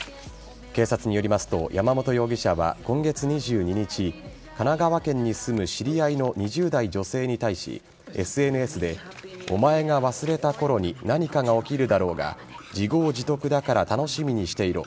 警察によりますと山本容疑者は今月２２日神奈川県に住む知り合いの２０代女性に対しＳＮＳでお前が忘れたころに何かが起きるだろうが自業自得だから楽しみにしていろ。